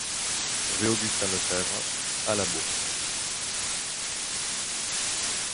Rue Augustin Lefebvre à Labourse